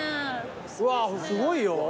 うわすごいよ。